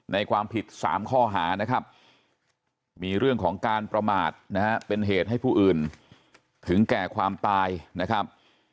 ในความผิด๓ข้อหานะครับมีเรื่องของการประมาทนะฮะเป็นเหตุให้ผู้อื่นถึงแก่ความตายนะครับ